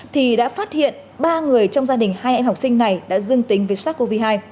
thì đã phát hiện ba người trong gia đình hai em học sinh này đã dương tính với sars cov hai